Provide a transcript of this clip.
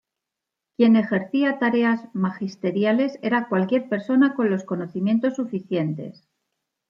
Quien ejercía tareas magisteriales era cualquier persona con los conocimientos suficientes.